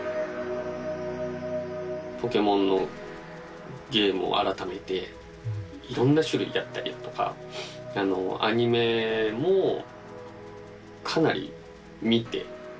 ポケモンのゲームを改めていろんな種類やったりだとかアニメもかなり見て。